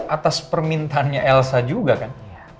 atas permintaannya elsa juga kan